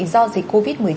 do dịch covid một mươi chín